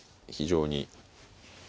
非常に。